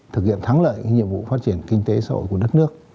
thực hiện thắng lợi nhiệm vụ phát triển kinh tế xã hội của đất nước